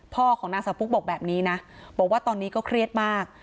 ของนางสาวปุ๊กบอกแบบนี้นะบอกว่าตอนนี้ก็เครียดมาก